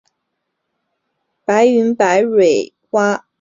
白云百蕊草为檀香科百蕊草属下的一个种。